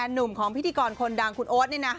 หนุ่มของพิธีกรคนดังคุณโอ๊ตนี่นะ